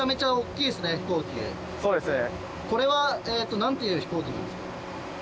そうですね。